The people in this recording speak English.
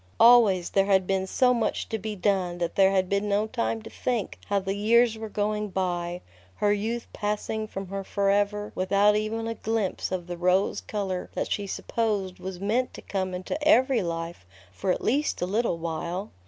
Always there had been so much to be done that there had been no time to think how the years were going by, her youth passing from her forever without even a glimpse of the rose color that she supposed was meant to come into every life for at least a little while.